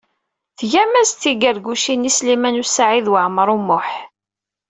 Tgam-as-d tigargucin i Sliman U Saɛid Waɛmaṛ U Muḥ.